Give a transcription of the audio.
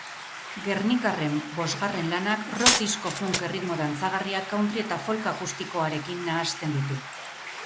Gernikarren bosgarren lanak rock-disco-funk erritmo dantzagarriak, country eta folk akustikoarekin nahasten ditu.